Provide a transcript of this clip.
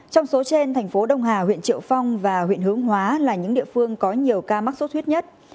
trong số trên tp đông hà huyện triệu phong và huyện hướng hóa là những địa phương có nhiều ca mắc suốt huyết nhất